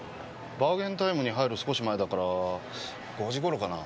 バーゲンタイムに入る少し前だから５時頃かな。